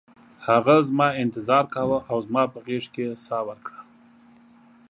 هغه زما انتظار کاوه او زما په غیږ کې یې ساه ورکړه